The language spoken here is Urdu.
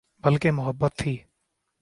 بلکہ محبت تھی